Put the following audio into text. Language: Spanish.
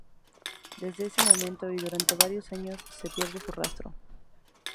Desde ese momento, y durante varios años, se pierde su rastro.